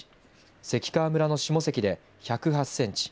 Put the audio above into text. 関川村の下関で１０８センチ